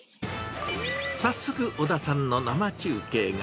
早速、小田さんの生中継が。